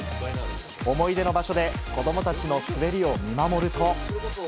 思い出の場所で、子どもたちの滑りを見守ると。